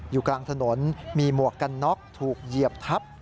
อยู่กลางถนนมีหมวกกันน็อกถูกเหยียบทับ